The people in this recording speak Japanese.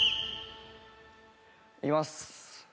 いきます。